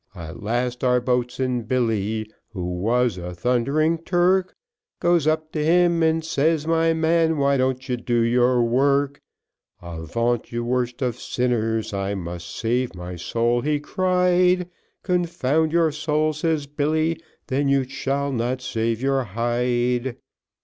At last our boatswain Billy, who was a thund'ring Turk, Goes up to him and says, "My man, why don't you do your work?" "Avaunt you worst of sinners, I must save my soul," he cried, "Confound your soul," says Billy, "then you shall not save your hide."